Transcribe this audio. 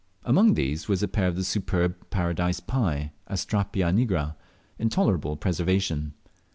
Among these was a pair of the superb Paradise Pie (Astrapia nigra) in tolerable preservation.